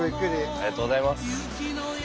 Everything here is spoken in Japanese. ありがとうございます。